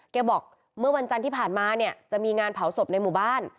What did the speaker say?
บอกเมื่อวันจันทร์ที่ผ่านมาเนี่ยจะมีงานเผาศพในหมู่บ้าน